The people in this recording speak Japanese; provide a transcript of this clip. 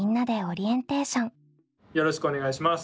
よろしくお願いします。